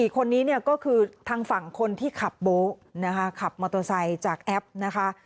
๔คนนี่ก็คือทางฝั่งคนที่ขับโบ๊ตขับมอเตอร์ไซค์จากแอปนะคะ